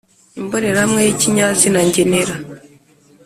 imbonerahamwe yi kinyazina ngenera